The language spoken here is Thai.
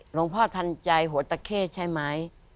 หลวงพ่อทันใจหัวตะเข้ใช่ไหม